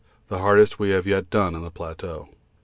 the hardest we have yet done on the plateau.